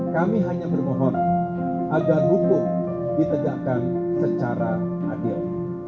kami hanya bermohon agar hukum ditegakkan secara adil